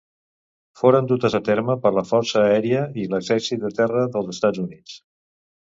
Foren dutes a terme per la força aèria i l'exèrcit de terra dels Estats Units.